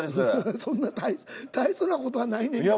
そんな大層な事はないねんけどな。